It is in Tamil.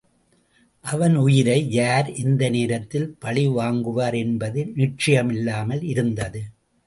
அவன் உயிரை யார் எந்த நேரத்தில் பழிவாங்குவார் என்பது நிச்சயமில்லாமல் இருந்தது.